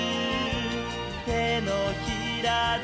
「てのひらで」